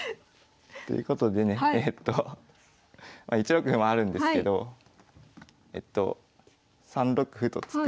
ということでねえと１六歩もあるんですけど３六歩と突く。